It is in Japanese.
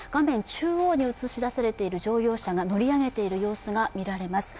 中央に映し出されている乗用車が乗り上げている様子が見られます。